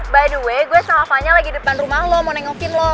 by the way gue sama vanya lagi depan rumah lo mau nengokin lo